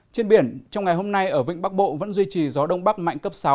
trên biển trong ngày hôm nay ở vịnh bắc bộ vẫn duy trì gió đông bắc mạnh cấp sáu